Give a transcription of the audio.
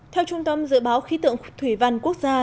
theo trung tâm dự báo khí tượng thủy văn quốc gia